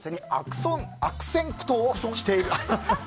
そん悪戦苦闘をしていると。